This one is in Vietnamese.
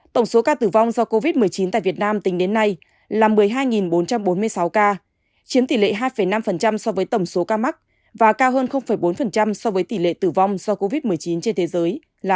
tổng số ca tử vong do covid một mươi chín tại việt nam tính đến nay là một mươi hai bốn trăm bốn mươi sáu ca chiếm tỷ lệ hai năm so với tổng số ca mắc và cao hơn bốn so với tỷ lệ tử vong do covid một mươi chín trên thế giới là chín mươi